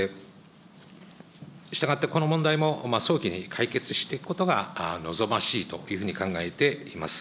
したがってこの問題も早期に解決していくことが望ましいというふうに考えています。